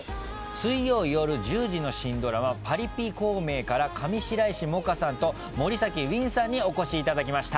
水曜夜１０時の新ドラマ『パリピ孔明』から上白石萌歌さんと森崎ウィンさんにお越しいただきました。